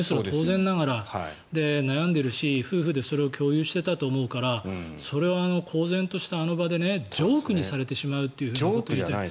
当然ながら悩んでいるし、夫婦でそれを共有していたと思うからそれを公然としたあの場でジョークにされてしまうっていう。